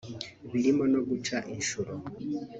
birimo no guca inshuro